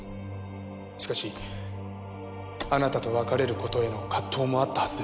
しかしあなたと別れる事への葛藤もあったはずです。